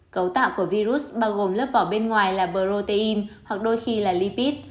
cấu tạo của virus bao gồm lớp vỏ bên ngoài là protein hoặc đôi khi là lipid